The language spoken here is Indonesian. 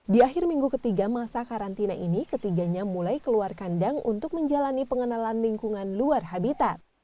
di akhir minggu ketiga masa karantina ini ketiganya mulai keluar kandang untuk menjalani pengenalan lingkungan luar habitat